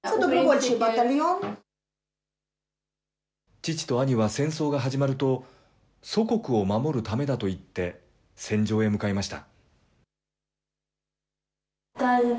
父と兄は戦争が始まると、祖国を守るためだと言って戦場へ向かいました。